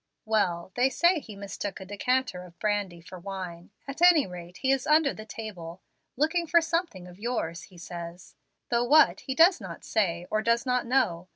"Well, they say he mistook a decanter of brandy for wine. At any rate he is under the table, 'looking for something of yours,' he says; though what he does not say or does not know.